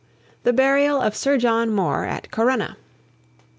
THE BURIAL OF SIR JOHN MOORE AT CORUNNA.